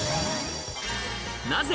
なぜ？